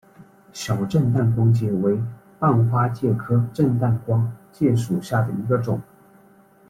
小震旦光介为半花介科震旦光介属下的一个种。